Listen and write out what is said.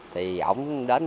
thì ông đến